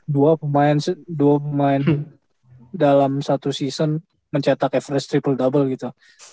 dua pemain dalam satu season mencetak average triple double gitu